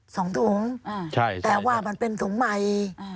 สองตุ๋งแต่ว่ามันเป็นตุ๋งไหม